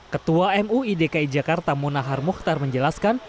ketua mui dki jakarta munahar mukhtar menjelaskan